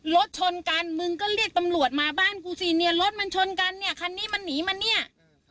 รถชนกันมึงก็เรียกตำรวจมาบ้านกูสิเนี่ยรถมันชนกันเนี่ยคันนี้มันหนีมาเนี่ย